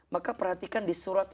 maka perhatikan di surat